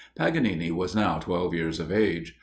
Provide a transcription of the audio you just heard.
Paganini was now twelve years of age.